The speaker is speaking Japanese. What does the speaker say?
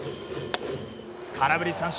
空振り三振。